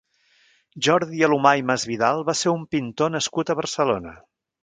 Jordi Alumà i Masvidal va ser un pintor nascut a Barcelona.